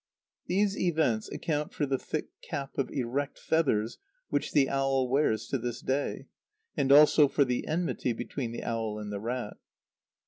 These events account for the thick cap of erect feathers which the owl wears to this day, and also for the enmity between the owl and the rat.